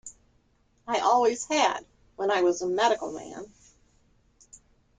I always had, when I was a medical man.